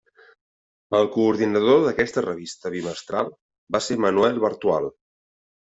El coordinador d'aquesta revista bimestral va ser Manuel Bartual.